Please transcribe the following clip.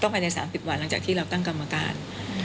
ต้องไปใน๓ปิดหวันหลังจากที่เราตั้งกรรมการ